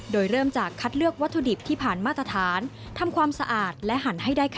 โดยเริ่มจากคัดเลือกวัตถุดิบที่ผ่านมาตรฐานทำความสะอาดและหั่นให้ได้ค่ะ